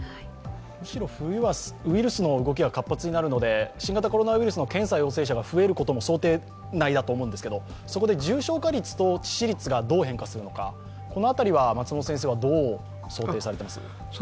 むしろ冬はウイルスの動きが活発になるので新型コロナウイルスの検査陽性者が増えることも想定内だと思うんですけれども、そこで重症化率と致死率がどう変化するのか、この辺りは松本先生はどう想定されていますか？